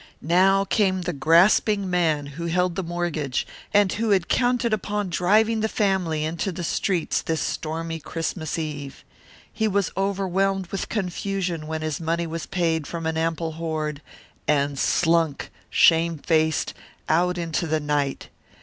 Now came the grasping man who held the mortgage and who had counted upon driving the family into the streets this stormy Christmas eve. He was overwhelmed with confusion when his money was paid from an ample hoard, and slunk, shame faced, out into the night.